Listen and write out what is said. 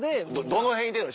どの辺いてんの？